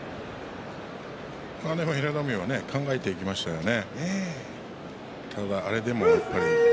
平戸海は考えていきましたね。